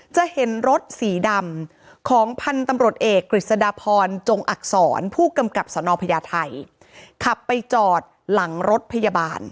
จะเห็นรถสีดำของพันธุ์ตำรวจเอกกฤษฎพรจงอักษรผู้กำกับสนพญาไทย